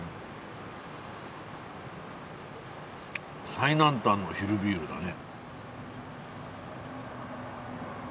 最南端の昼ビールだね。